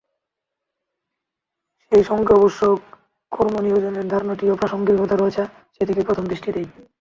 সেই সঙ্গে অবশ্য কর্মনিয়োজনের ধরনটিরও প্রাসঙ্গিকতা রয়েছে, সেদিকেই প্রথম দৃষ্টি দিই।